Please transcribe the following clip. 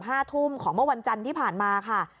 ห้าทุ่มของเมื่อวันจันทร์ที่ผ่านมาค่ะ